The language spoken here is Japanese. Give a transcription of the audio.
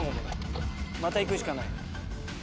また行くしかない。